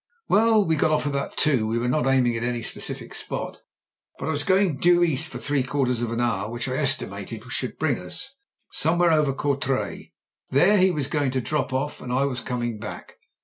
''Well, we got off about two. We were not aiming at any specific spot, but I was going to go due east for three quarters of an hour, which I estimated should bring us somewhere over Courtrai. Then he was go ing to drop off, and I was coming back.